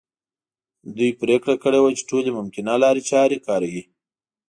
دوی پرېکړه کړې وه چې ټولې ممکنه لارې چارې کاروي.